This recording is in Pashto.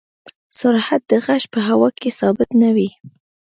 سرعت د غږ په هوا کې ثابت نه وي.